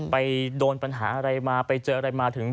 ไปโดนปัญหาอะไรมาไปเจออะไรมาถึง